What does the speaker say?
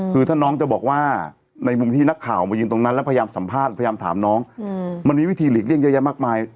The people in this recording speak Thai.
คือถ้าน้องจะบอกว่าในมุมที่นักข่าวมายืนตรงนั้นแล้วพยายามสัมภาษณ์พยายามถามน้องมันมีวิธีหลีกเลี่ยงเยอะแยะมากมาย